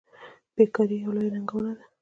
بیکاري یوه لویه ننګونه ده.